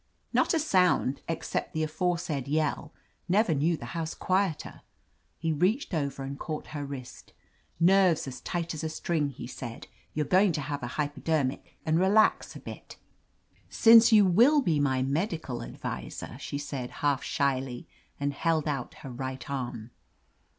"Not a sound — except the aforesaid yell. Never knew the house quieter." He reached over and caught her wrist. "Nerves as tight as a string!" he said. "You're going to have a hypodermic and relax a bit." 170 «T>. !. OF LETITIA CARBERRY "Since you will be my medical adviser —she said, half shyly, and held out her right arm.